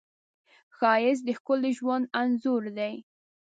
ښایست د ښکلي ژوند انځور دی